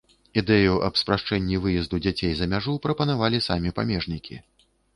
Ідэю аб спрашчэнні выезду дзяцей за мяжу прапанавалі самі памежнікі.